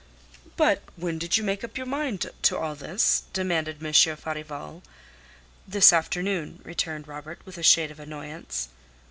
"But when did you make up your mind to all this?" demanded Monsieur Farival. "This afternoon," returned Robert, with a shade of annoyance.